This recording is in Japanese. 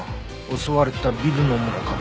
襲われたビルのものか。